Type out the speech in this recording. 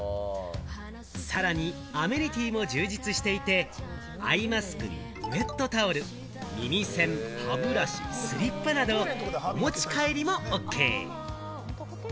さらにアメニティも充実していて、アイマスクにウェットタオル、耳栓、歯ブラシ、スリッパなどお持ち帰りもＯＫ！